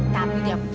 tapi dia pun tahu